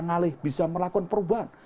ngaleh bisa melakukan perubahan